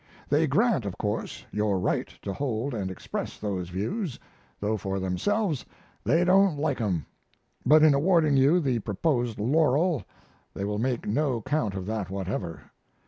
They grant, of course, your right to hold and express those views, though for themselves they don't like 'em; but in awarding you the proposed laurel they will make no count of that whatever.